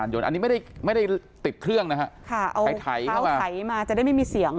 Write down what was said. กระยานยนต์อันนี้ไม่ได้ไม่ได้ติดเครื่องนะฮะค่ะเอาขาวไถมาจะได้ไม่มีเสียง